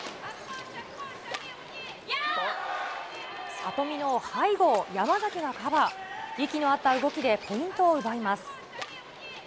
里見の背後を山崎がカバー、息のあった動きでポイントを奪います。